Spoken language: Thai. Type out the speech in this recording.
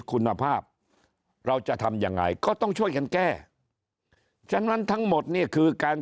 คุณภาพเราจะทำยังไงก็ต้องช่วยกันแก้ฉะนั้นทั้งหมดเนี่ยคือการ